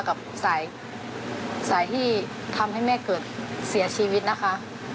กับสายที่ทำให้แม่เกิดเสียชีวิตนะคะ